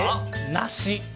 梨？